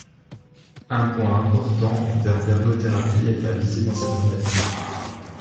Un point important en termes d’ergothérapie est à viser dans cette maladie.